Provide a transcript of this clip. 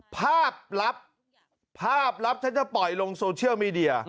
ภาพลับภาพลับฉันจะปล่อยลงโซเชียลมีเดีย